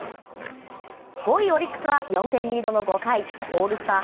５位オリックスは４点リードの５回オールスター